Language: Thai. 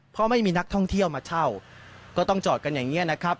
เพราะไม่มีนักท่องเที่ยวมาเช่าก็ต้องจอดกันอย่างนี้นะครับ